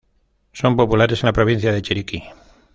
Son populares en la provincia de Chiriquí.